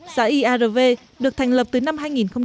xã iarv được thành lập từ năm hai nghìn sáu